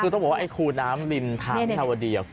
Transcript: คือต้องบอกว่าคู่น้ำดินทางเทวดี